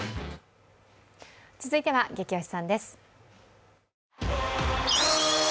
続いては、ゲキ推しさんです。